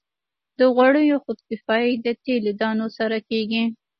د غوړیو خودکفايي د تیلي دانو سره کیږي.